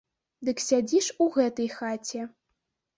Дык сядзі ж у гэтай хаце.